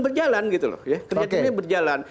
berjalan gitu loh ya kerja kerja berjalan